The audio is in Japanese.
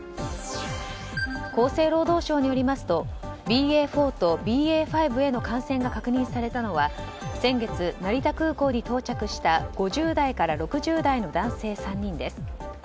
厚生労働省によりますとＢＡ．４とＢＡ．５への感染が確認されたのは先月、成田空港に到着した５０代から６０代の男性３人です。